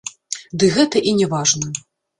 Ды гэта і не важна.